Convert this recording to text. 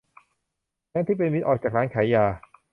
แก๊งที่เป็นมิตรออกจากร้านขายยา